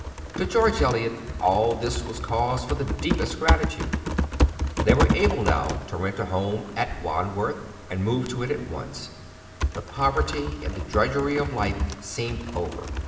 To George Eliot all this was cause for the deepest gratitude. They were able now to rent a home at Wandworth, and move to it at once. The poverty and the drudgery of life seemed over.